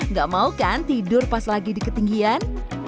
gak mau kan tidur pas lagi di ketinggian